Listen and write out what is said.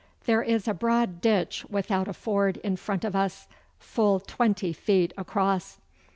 There is a broad ditch without a ford in front of us, full twenty feet across!